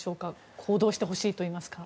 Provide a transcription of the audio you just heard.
行動してほしいといいますか。